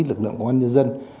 lực lượng công an nhân dân